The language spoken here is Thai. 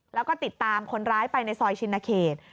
แล้วก็ติดตามคนร้ายไปในซอยชินเขต